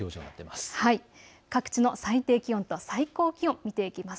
各地の最低気温と最高気温見ていきます。